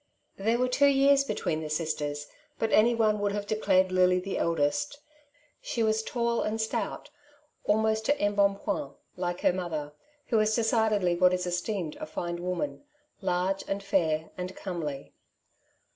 There were two years between the sisters, but any one would have declared Lily the eldest; she was tall and stout, almost to embonpoint, like her mother, who was decidedly what is esteemed a fine woman — large, and fair, and comely.